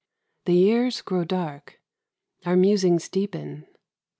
The years Grow dark. Our musings deepen.